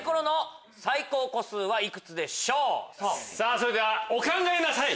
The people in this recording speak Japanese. それではお考えなさい！